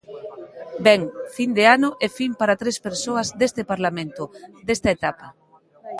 Ben, fin de ano e fin para tres persoas deste Parlamento, desta etapa.